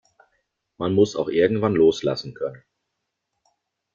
Man muss auch irgendwann loslassen können.